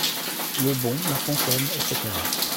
Le bon La Fontaine, Etc.